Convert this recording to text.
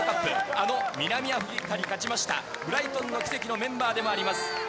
あの南アフリカに勝ちました、ブライトンの奇跡のメンバーでもあります。